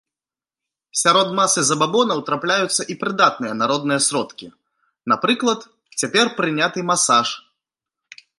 Сярод масы забабонаў трапляюцца і прыдатныя народныя сродкі, напрыклад цяпер прыняты масаж.